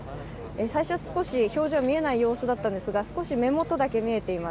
最初、少し表情が見えない様子だったんですが、少し目元だけ見えています。